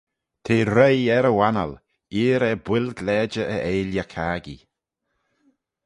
T'eh roie er e wannal, eer er builg lajer e eilley-caggee.